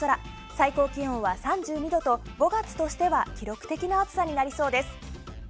最高気温は３２度と５月としては記録的な暑さになりそうです。